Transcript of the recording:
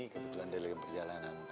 kebetulan dari perjalanan